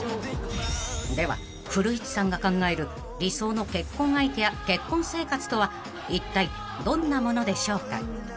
［では古市さんが考える理想の結婚相手や結婚生活とはいったいどんなものでしょうか］